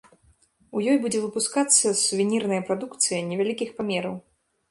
У ёй будзе выпускацца сувенірная прадукцыя невялікіх памераў.